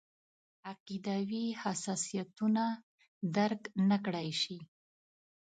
عقیدوي حساسیتونه درک نکړای شي.